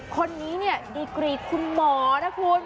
คนนี้เนี่ยดีกรีตคุณหมอนะคุณ